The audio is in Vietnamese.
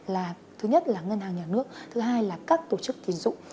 là thứ nhất là ngân hàng nhà nước thứ hai là các tổ chức tín dụng